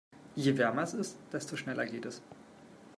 Je wärmer es ist, desto schneller geht es.